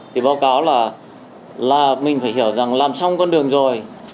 thì báo cáo là mình phải hiểu rằng làm xong con đường rồi